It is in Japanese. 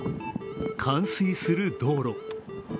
冠水する道路。